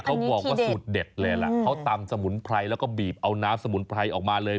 เขาบอกว่าสูตรเด็ดเลยล่ะเขาตำสมุนไพรแล้วก็บีบเอาน้ำสมุนไพรออกมาเลย